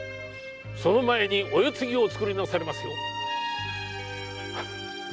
その前にお世継ぎをおつくりなされませよ。